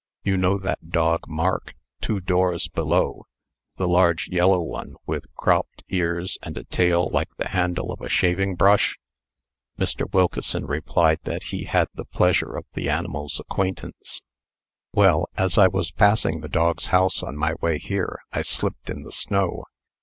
You know that dog, Mark, two doors below the large yellow one, with cropped ears, and a tail like the handle of a shaving brush?" Mr. Wilkeson replied that he had the pleasure of the animal's acquaintance, "Well, as I was passing the dog's house on my way here, I slipped in the snow.